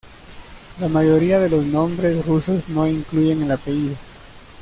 La mayoría de los nombres rusos no incluyen el apellido.